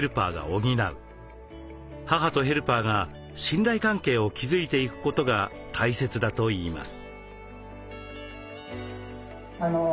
母とヘルパーが信頼関係を築いていくことが大切だといいます。